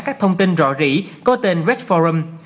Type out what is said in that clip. các thông tin rõ rỉ có tên redforum